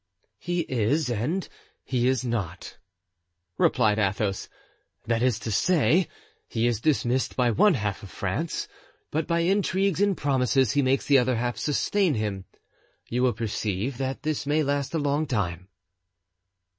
"He is and he is not," replied Athos; "that is to say, he is dismissed by one half of France, but by intrigues and promises he makes the other half sustain him; you will perceive that this may last a long time."